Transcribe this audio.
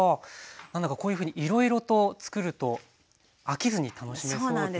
何だかこういうふうにいろいろとつくると飽きずに楽しめそうですね。